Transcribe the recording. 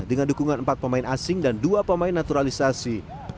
dengan dukungan empat pemain asing dan dua pemain naturalisasi